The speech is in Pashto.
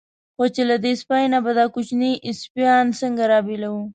خو چې له دې سپۍ نه به دا کوچني سپیان څنګه را بېلوي.